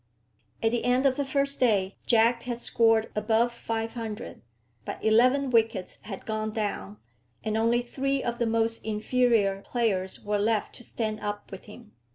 At the end of the first day Jack had scored above 500; but eleven wickets had gone down, and only three of the most inferior players were left to stand up with him.